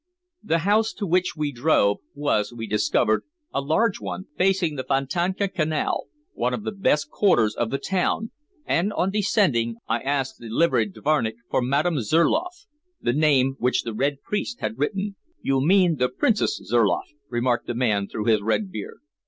The house to which we drove was, we discovered, a large one facing the Fontanka Canal, one of the best quarters of the town, and on descending I asked the liveried dvornick for Madame Zurloff, the name which the "Red Priest" had written. "You mean the Princess Zurloff," remarked the man through his red beard.